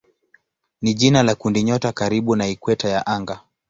ni jina la kundinyota karibu na ikweta ya anga.